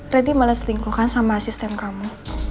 randy malah selingkuhkan sama asisten kamu